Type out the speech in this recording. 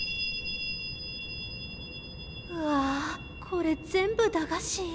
これ全部駄菓子？